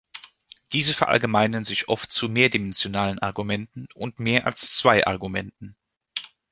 Diese verallgemeinern sich oft zu mehrdimensionalen Argumenten und mehr als zwei Argumenten.